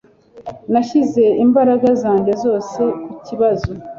Nashyize imbaraga zanjye zose kukibazo.